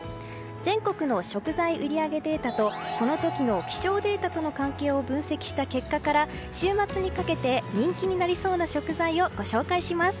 全国の食材売り上げデータとその時の気象データとの関係を分析した結果から週末にかけて人気になりそうな食材をご紹介します。